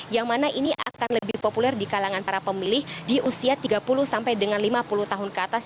yang mana ini akan lebih populer di kalangan para pemilih di usia tiga puluh sampai dengan lima puluh tahun ke atas